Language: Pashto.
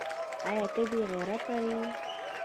ایا ته بې غیرته یې ؟